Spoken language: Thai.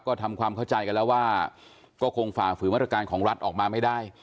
ก็ทำความเข้าใจกันแล้วว่าก็คงฝ่าฝืนมาตรการของรัฐออกมาไม่ได้